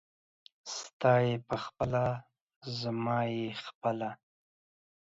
ستا يې خپله ، زما يې خپله.